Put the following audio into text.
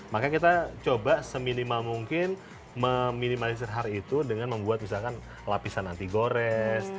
maka kita coba seminimal mungkin meminimalisir hal itu dengan membuat misalkan lapisan anti gores